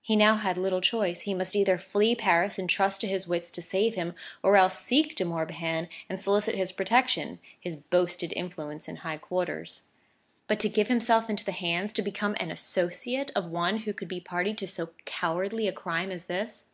He had now little choice; he must either flee Paris and trust to his wits to save him, or else seek De Morbihan and solicit his protection, his boasted influence in high quarters. But to give himself into the hands, to become an associate, of one who could be party to so cowardly a Crime as this